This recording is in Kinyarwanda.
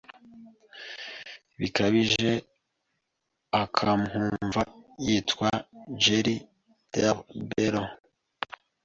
Bikabije akamwumva yitwa Geri del Bello